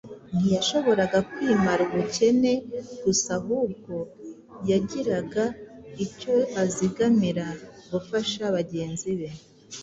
ntiyashoboraga kwimara ubukene gusa ahubwo yagiraga icyo azigamira gufasha bagenzi be